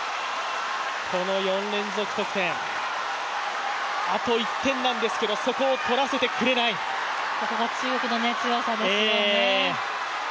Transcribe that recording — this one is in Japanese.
この４連続得点、あと１点なんですけど、そこを取らせてくれない、ここが中国の強さですよね。